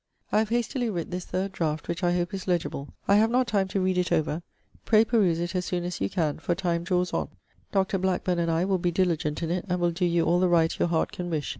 I have hastily writt this third draught, which I hope is legible: I have not time to read it over. Pray peruse it as soon as you can, for time drawes on. Dr. Blackburne and I will be diligent in it and will doe you all the right your heart can wish.